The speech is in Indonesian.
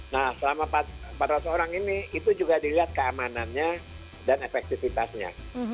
nah selama empat ratus orang ini itu juga dilihat keamanannya dan efektivitasnya